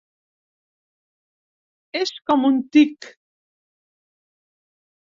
És com un tic.